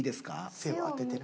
背を当ててな。